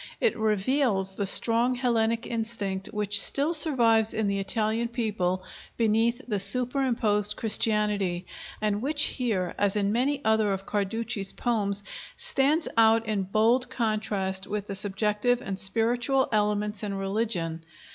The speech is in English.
It reveals the strong Hellenic instinct which still survives in the Italian people beneath the superimposed Christianity, and which here, as in many other of Carducci's poems, stands out in bold contrast with the subjective and spiritual elements in religion.